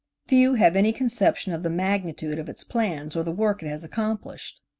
Few have any conception of the magnitude of its plans or the work it has accomplished.